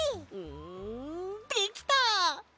んできた！